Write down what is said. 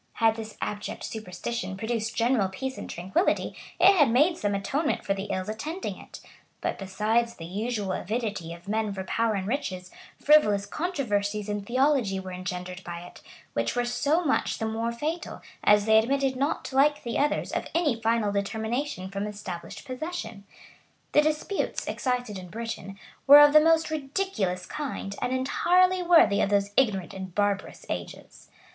Had this abject superstition produced general peace and tranquillity, it had made some atonement for the ills attending it; but besides the usual avidity of men for power and riches, frivolous controversies in theology were engendered by it, which were so much the more fatal, as they admitted not, like the others, of any final determination from established possession. The disputes, excited in Britain, were of the most ridiculous kind, and entirely worthy of those ignorant and barbarous ages.